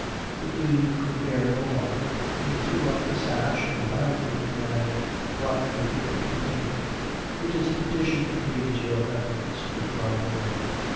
The dean could bear no longer; he threw up the sash, and loudly demanded what the paper contained. "It is a petition, please your reverence," replied the woman.